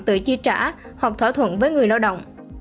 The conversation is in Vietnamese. tự chi trả hoặc thỏa thuận với người lao động